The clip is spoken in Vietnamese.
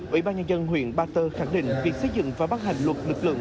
ủy ban nhân dân huyện ba tơ khẳng định việc xây dựng và bắt hành luật lực lượng